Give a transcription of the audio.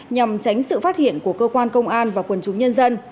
nhằm tránh sự phát hiện của cơ quan công an và quần chúng nhân dân